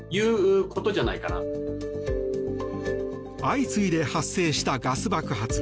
相次いで発生したガス爆発。